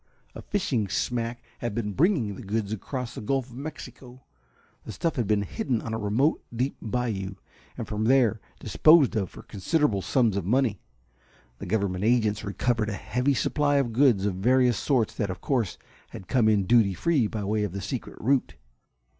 A fishing smack had been bringing the goods across the Gulf of Mexico. The stuff had been hidden on a remote deep bayou, and from there disposed of for considerable sums of money. The government agents recovered a heavy supply of goods of various sorts that, of course, had come in duty free by way of the secret route.